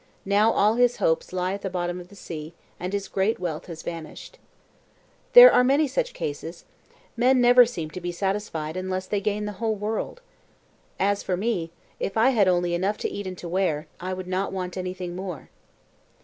Now all his hopes lie at the bottom of the sea, and his great wealth has vanished. "There are many such cases. Men seem to be never satisfied unless they gain the whole world. "As for me, if I had only enough to eat and to wear, I would not want anything more."